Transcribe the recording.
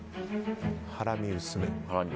ハラミ薄め。